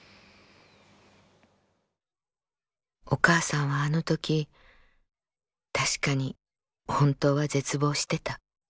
「お母さんはあの時確かにほんとうは絶望してた。